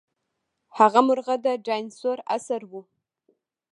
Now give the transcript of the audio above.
هغه مرغه د ډاینسور عصر وو.